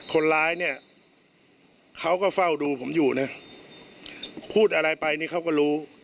คนร้ายเนี่ยเขาก็เฝ้าดูผมอยู่นะพูดอะไรไปนี่เขาก็รู้